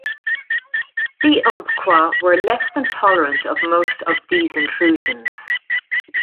The Umpqua were less than tolerant of most of these intrusions.